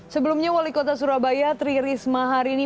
sebelumnya wali kota surabaya tririsma hari ini